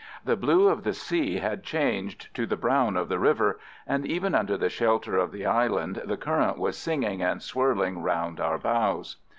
The blue of the sea had changed to the brown of the river, and, even under the shelter of the island, the current was singing and swirling round our bows.